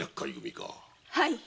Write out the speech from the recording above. はい。